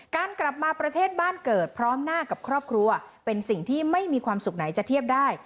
กลับมาประเทศบ้านเกิดพร้อมหน้ากับครอบครัวเป็นสิ่งที่ไม่มีความสุขไหนจะเทียบได้